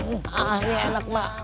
ini enak mak